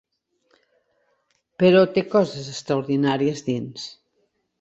Però té coses extraordinàries dins.